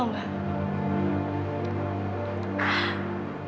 terima kasih naud